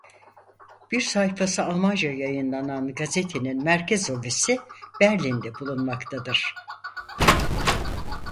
Bir sayfası Almanca yayınlanan gazetenin merkez ofisi Berlin'de bulunmaktadır.